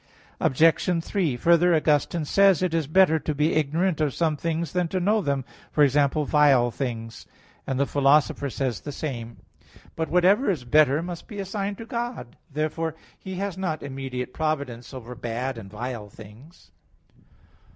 Obj. 3: Further, Augustine says (Enchiridion 17) that, "It is better to be ignorant of some things than to know them, for example, vile things": and the Philosopher says the same (Metaph. xii, 51). But whatever is better must be assigned to God. Therefore He has not immediate providence over bad and vile things.